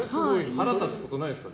腹立つことないですか？